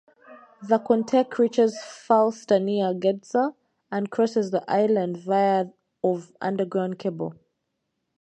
The Kontek reaches Falster near Gedser, and crosses the island via of underground cable.